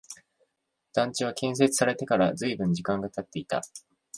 団地は建設されてから随分時間が経っていた